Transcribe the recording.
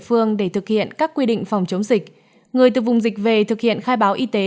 phương để thực hiện các quy định phòng chống dịch người từ vùng dịch về thực hiện khai báo y tế